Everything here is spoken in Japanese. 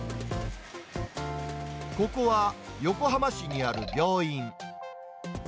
ここは、横浜市にある病院。